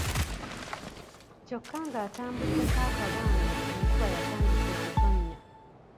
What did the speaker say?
Kyokka ng'atambuddeko akabanga enkuba yatandika okutonnya.